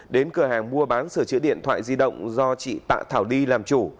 đến cửa hàng mua bán sửa chữa điện thoại di động do chị tạ thảo đi làm chủ